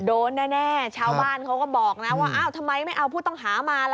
โดนแน่ชาวบ้านเขาก็บอกนะว่าอ้าวทำไมไม่เอาผู้ต้องหามาล่ะ